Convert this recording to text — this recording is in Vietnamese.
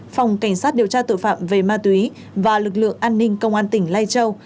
phòng cảnh sát điều tra tội phạm về ma túy và lực lượng an ninh công an tỉnh lai châu